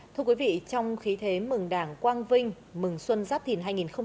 thưa quý vị trong khí thế mừng đảng quang vinh mừng xuân giáp thìn hai nghìn hai mươi bốn